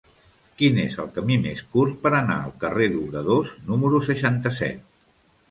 Quin és el camí més curt per anar al carrer d'Obradors número seixanta-set?